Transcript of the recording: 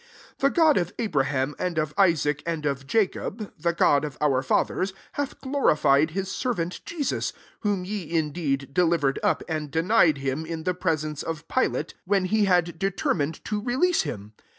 13 The God of Abraham and of Isaac and of Jacob, the God of our fathers, hath glorified his servant Jesus ; whom ye indeed delivered up, and denied [Aim] in the pre sence of Pilate, when he had 304 ACTS IV, determined to release him.